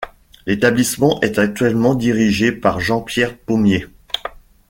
L'établissement est actuellement dirigé par Jean-Pierre Pommier.